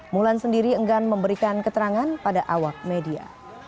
mulan sendiri enggan memberikan keterangan pada awak media